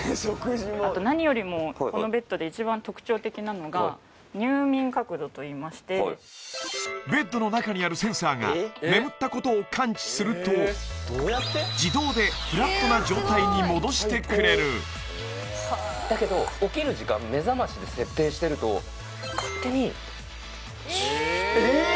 あと何よりもこのベッドで一番特徴的なのが入眠角度と言いましてベッドの中にあるセンサーが眠ったことを感知すると戻してくれるだけど起きる時間目覚ましで設定してると勝手にシューってえーっ！？